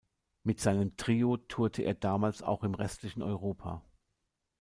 Mit seinem Trio tourte er damals auch im restlichen Europa.